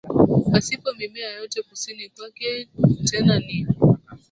pasipo mimea yote Kusini kwake tena ni